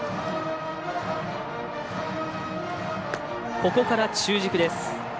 ここから中軸です。